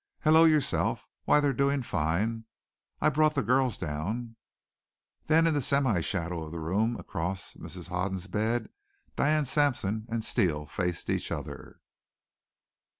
"Hello yourself! Why, they're doing fine! I brought the girls down " Then in the semishadow of the room, across Mrs. Hoden's bed, Diane Sampson and Steele faced each other.